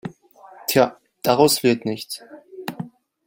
Tja, daraus wird nichts.